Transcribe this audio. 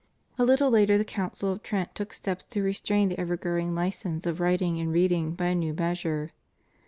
A little later the Council of Trent took steps to restrain the ever growing license of writing and reading by a new measure.